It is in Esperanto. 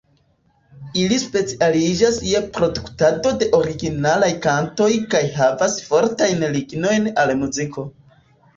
Ili specialiĝas je produktado de originalaj kantoj kaj havas fortajn ligojn al muziko.